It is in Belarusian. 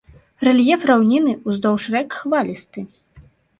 Рэльеф раўнінны, уздоўж рэк хвалісты.